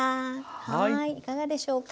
はいいかがでしょうか？